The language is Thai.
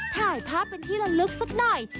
ถ่ายภาพเป็นที่ละลึกสักหน่อย